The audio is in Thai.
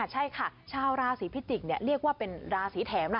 ใช่ค่ะชาวราศีพิจิกษ์เรียกว่าเป็นราศีแถมนะ